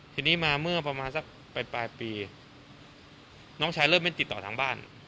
ทีนี้มาเมื่อประมาณสักปลายปีน้องชายเริ่มเล่นติดต่อทางบ้าน